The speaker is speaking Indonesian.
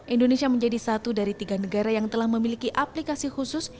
indonesia menjadi satu dari tiga negara yang telah memiliki aplikasi khusus